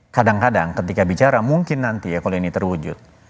kadang kadang ketika bicara mungkin nanti ya kalau ini terwujud